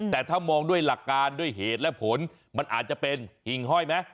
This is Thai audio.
แต่ถ้ามองด้วยหลักการด้วยเหตุและผลมันอาจจะเป็นหิ่งห้อยไหม